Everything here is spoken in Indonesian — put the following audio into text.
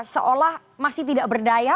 seolah masih tidak berdaya